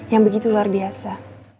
yang begitu luar biasa